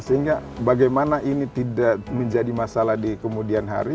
sehingga bagaimana ini tidak menjadi masalah di kemudian hari